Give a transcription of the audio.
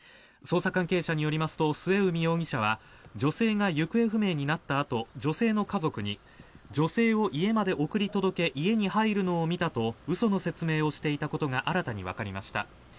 捜査関係者によりますと末海容疑者は女性が行方不明になったあと女性の家族に女性を家まで送り届け家に入るのを見たと嘘の説明をしていたことが新たにわかりました。